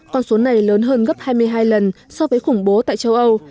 con số này lớn hơn gấp hai mươi hai lần so với khủng bố tại châu âu